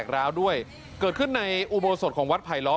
ก็แตกร้าวด้วยเกิดขึ้นในอุโปรสดของวัดไผล้ล้อม